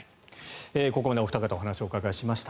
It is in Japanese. ここまでお二方にお話を伺いました。